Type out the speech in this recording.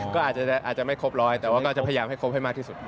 ก็อาจจะไม่ครบร้อยแต่ว่าก็จะพยายามให้ครบให้มากที่สุด